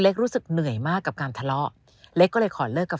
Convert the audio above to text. รู้สึกเหนื่อยมากกับการทะเลาะเล็กก็เลยขอเลิกกับ